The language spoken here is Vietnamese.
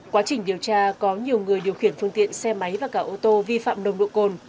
quá trình điều tra có nhiều người điều khiển phương tiện xe máy và cả ô tô vi phạm nồng độ cồn